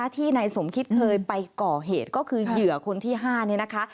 ที่ในสมคิดไปก่อเหตุก็คือเหยื่อคนที่ห้า